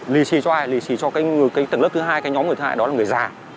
lì xì cho ai lì xì cho cái tầng lớp thứ hai cái nhóm người thứ hai đó là người già